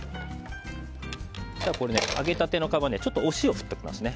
揚げたてのカブはちょっとお塩を振っておきますね。